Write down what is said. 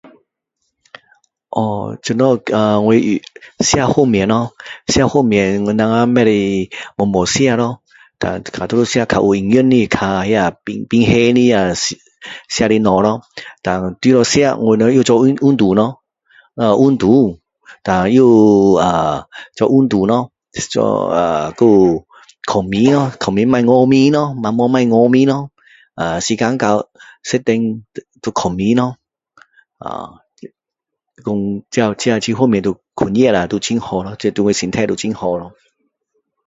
哦怎样呃我吃方面咯吃方面我们不可以随便吃然后较有营养的然后那较均衡的吃的东西咯然后除了吃我们也有做运动咯运动然后也有做运动咯做啊还有睡觉不要熬夜咯晚上不要熬夜咯时间到10点都睡觉咯这方面都控制下都很好了这对身体都很好了